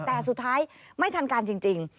แต่สุดท้ายไม่ทันการจริง